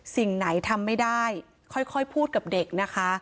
สิ่งไหนทำไม่ได้ค่อยพูดกับเด็กนะคะ